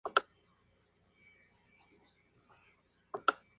La reelección es posible de forma indefinida.